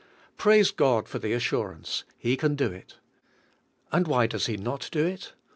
Praise God for the assurance; He can do it. And wh}^ does He not do it?